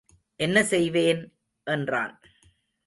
என்ன செய்வேன்? என்றான்.